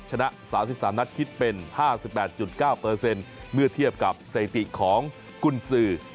ชนะ๓๓นัดคิดเป็น๕๘๙เมื่อเทียบกับสถิติของกุญสือ